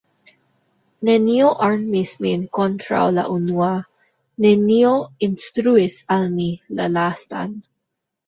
Nenio armis min kontraŭ la unua, nenio instruis al mi la lastan.